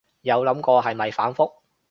有諗過係咪反覆